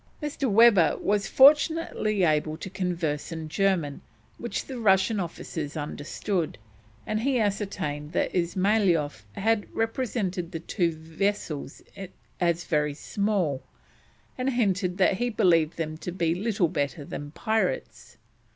Mr. Webber was fortunately able to converse in German, which the Russian officers understood; and he ascertained that Ismailoff had represented the two vessels as very small, and hinted that he believed them to be little better than pirates.